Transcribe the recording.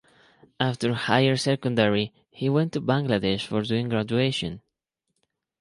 After higher secondary he went to Bangladesh for doing graduation.